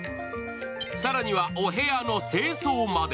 更にはお部屋の清掃まで。